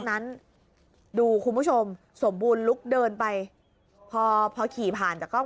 นั้นดูคุณผู้ชมสมบูรณลุกเดินไปพอพอขี่ผ่านจากกล้อง